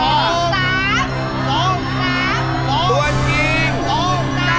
อะไรโสดเลยนี่